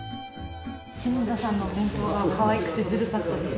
篠田さんのお弁当がかわいくてずるかったです。